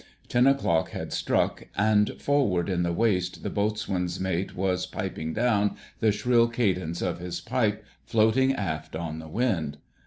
Ten o'clock had struck, and forward in the waist the boatswain's mate was "piping down," the shrill cadence of his pipe floating aft on the wind.